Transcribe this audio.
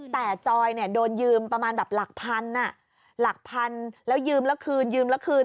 แต่จอยเนี่ยโดนยืมประมาณแบบหลักพันหลักพันแล้วยืมแล้วคืนยืมแล้วคืน